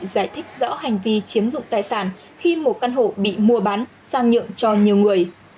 giải thích rõ hành vi chiếm dụng tài sản khi một căn hộ bị mua bán sang nhượng cho nhiều người